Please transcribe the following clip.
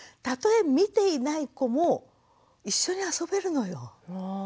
たとえ見ていない子も一緒に遊べるのよ。